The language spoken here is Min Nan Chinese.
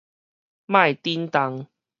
莫振動